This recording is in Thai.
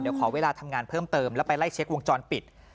เดี๋ยวขอเวลาทำงานเพิ่มเติมแล้วไปไล่เช็ควงจรปิด